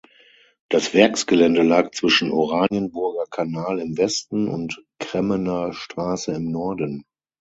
Das Werksgelände lag zwischen Oranienburger Kanal im Westen und Kremmener Straße im Norden.